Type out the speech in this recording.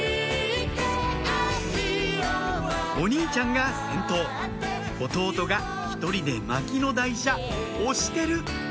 お兄ちゃんが先頭弟が１人でマキの台車押してる！